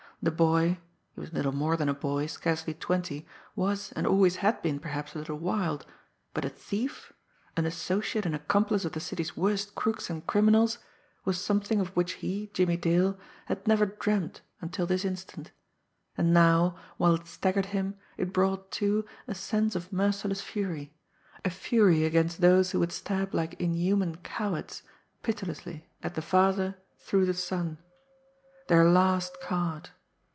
The boy, he was little more than a boy, scarcely twenty, was and always had been, perhaps, a little wild, but a thief, an associate and accomplice of the city's worst crooks and criminals was something of which he, Jimmie Dale, had never dreamed until this instant, and now, while it staggered him, it brought, too, a sense of merciless fury a fury against those who would stab like inhuman cowards, pitilessly, at the father through the son. Their last card!